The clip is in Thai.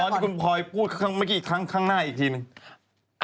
ตอนที่คุณพลอยพูดเมื่อกี้ข้างหน้าอีกทีนึง